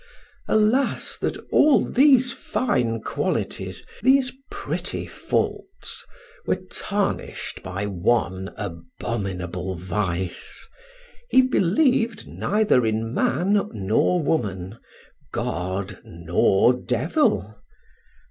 Alas, that all these fine qualities, these pretty faults, were tarnished by one abominable vice: he believed neither in man nor woman, God nor Devil.